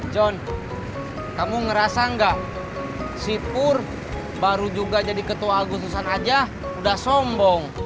john kamu ngerasa gak si pur baru juga jadi ketua keutusan aja udah sombong